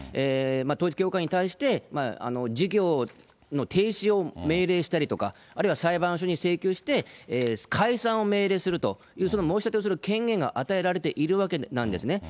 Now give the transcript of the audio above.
統一教会に対して、事業の停止を命令したりとか、あるいは裁判所に請求して、解散を命令すると、その申し立てをする権限が与えられているわけなんですね。